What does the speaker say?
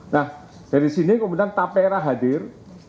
nah dari sini kemudian tapera hadir